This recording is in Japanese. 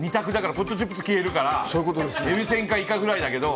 ポテトチップスが消えるからえびせんかイカフライだけど。